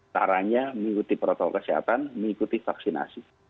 caranya mengikuti protokol kesehatan mengikuti vaksinasi